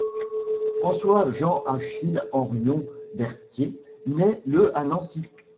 François Jean Achille Henrion-Bertier naît le à Nancy.